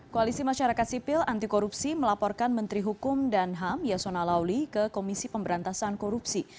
koalisi masyarakat sipil anti korupsi melaporkan menteri hukum dan ham yasona lauli ke komisi pemberantasan korupsi